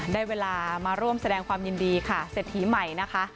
ได้เวลามาร่วมแสดงความยินดีค่ะเศรษฐีใหม่นะคะ